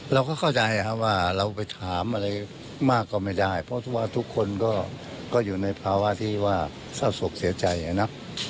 เราก็เข้าใจว่าเราไปถามอะไรมากก็ไม่ได้เพราะว่าทุกคนก็อยู่ในภาวะที่ว่าเศร้าศกเสียใจนะ